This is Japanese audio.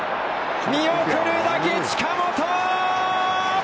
見送るだけ近本。